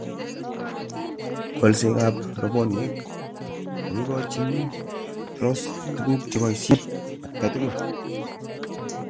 kolsekab robwoniek koikochini Rose tuguk cheboisien atkai tugul